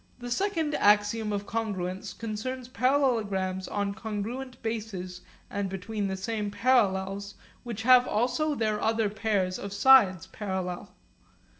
The second axiom of congruence concerns parallelograms on congruent bases and between the same parallels, which have also their other pairs of sides parallel.